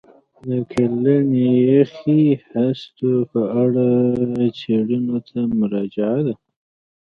د ګرینلنډ یخي هستو په اړه څېړنو ته مراجعه ده.